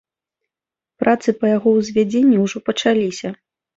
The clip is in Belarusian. Працы па яго ўзвядзенні ўжо пачаліся.